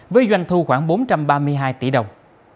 với doanh thu khoảng bốn trăm ba mươi hai tỷ đồng